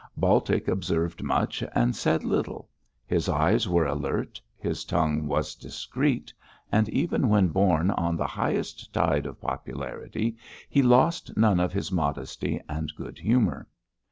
Baltic observed much and said little; his eyes were alert, his tongue was discreet, and, even when borne on the highest tide of popularity, he lost none of his modesty and good humour.